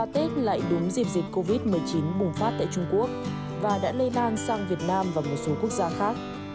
tết lại đúng dịp dịch covid một mươi chín bùng phát tại trung quốc và đã lây lan sang việt nam và một số quốc gia khác